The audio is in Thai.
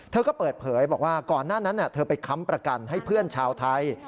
เธอก็เปิดเผยบอกว่าก่อนหน้านั้นเธอไปค้ำประกันให้เพื่อนชาวไทย